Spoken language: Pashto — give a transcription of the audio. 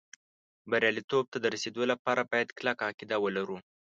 بریالېتوب ته د رسېدو لپاره باید کلکه عقیده ولرو